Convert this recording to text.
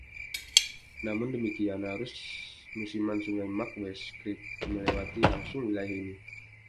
Namun demikian, arus musiman sungai Mark West Creek melewati langsung wilayah ini.